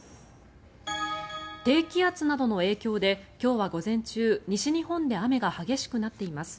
低気圧などの影響で今日は午前中西日本で雨が激しくなっています。